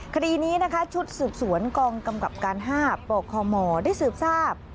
คดีนี้นะคะชุดสืบสวนกองกำกับการ๕ปคมได้สืบทราบ